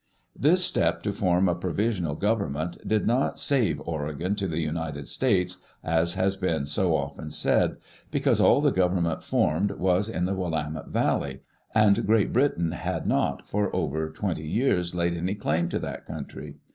This step to form a provisional government did not " save Oregon to the United States," as has been so often said — because all the government formed was in the Willamette Valley and Great Britain had not for over twenty years laid any claim to that country.